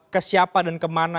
ke siapa dan kemana